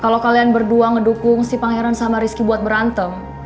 kalau kalian berdua ngedukung si pangeran sama rizky buat berantem